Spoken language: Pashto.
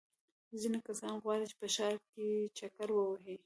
ځینې کسان غواړي په ښار کې چکر ووهي.